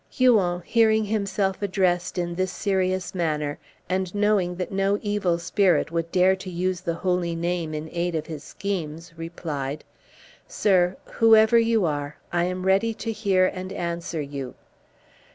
Huon, hearing himself addressed in this serious manner, and knowing that no evil spirit would dare to use the holy name in aid of his schemes, replied, "Sir, whoever you are, I am ready to hear and answer you."